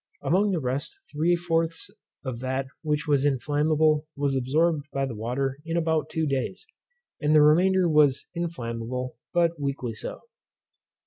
Among the rest three fourths of that which was inflammable was absorbed by the water in about two days, and the remainder was inflammable, but weakly so.